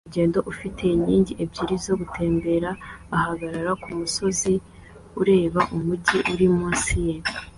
Umukerarugendo ufite inkingi ebyiri zo gutembera ahagarara kumusozi ureba umujyi uri munsi ye